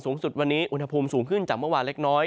สูงสุดวันนี้อุณหภูมิสูงขึ้นจากเมื่อวานเล็กน้อย